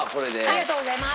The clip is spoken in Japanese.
ありがとうございます。